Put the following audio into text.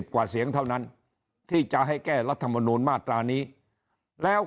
กว่าเสียงเท่านั้นที่จะให้แก้รัฐมนูลมาตรานี้แล้ว